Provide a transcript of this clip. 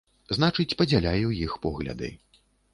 Значыць, падзяляю іх погляды.